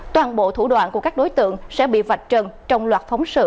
toàn bộ thủ đoạn của các đối tượng sẽ bị vạch trần trong loạt phóng sự